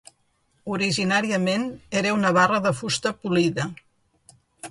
Originàriament era una barra de fusta polida.